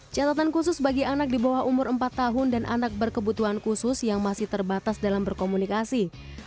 catatan khusus bagi anak di bawah umur empat tahun dan anak berkebutuhan khusus yang masih terbatas dalam berkomunikasi